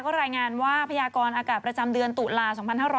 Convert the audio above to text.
ก็รายงานว่าพยากรอากาศประจำเดือนตุลา๒๕๖๐